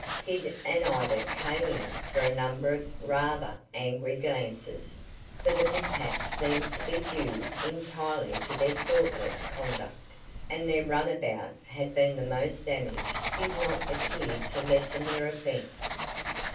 Sid and Ida came in for a number of rather angry glances, for the mishap seemed to be due entirely to their thoughtless conduct, and that their runabout had been the most damaged did not appear to lessen their offense.